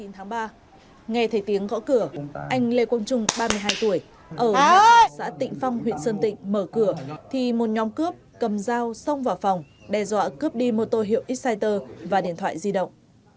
tháng ba nghe thấy tiếng gõ cửa anh lê quang trung ba mươi hai tuổi ở ấp xã tịnh phong huyện sơn tịnh mở cửa thì một nhóm cướp cầm dao xông vào phòng đe dọa cướp đi mô tô hiệu exciter và điện thoại di động